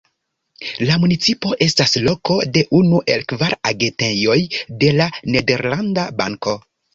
La municipo estas loko de unu el kvar agentejoj de La Nederlanda Banko.